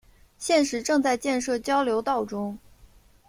现时正在建设交流道中。